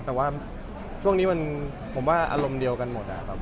แต่ว่าช่วงนี้มันอารมณ์เดียวกันหมด